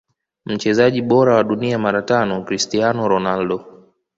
Mchezaji bora wa dunia mara tano Cristiano Ronaldo